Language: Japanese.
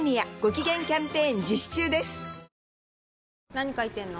何書いてんの？